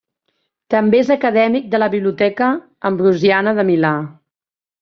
També és acadèmic de la Biblioteca Ambrosiana de Milà.